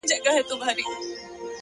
هغې ويل ه ځه درځه چي کلي ته ځو،